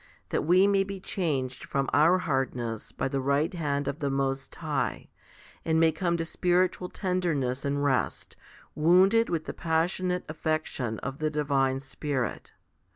that we may be changed from our hardness by the right hand of the Most High, and may come to spiritual tenderness and rest, wounded with the passionate affection of the Divine Spirit.